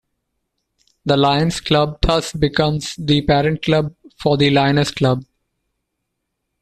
The Lions Club thus becomes the Parent Club for the Lioness Club.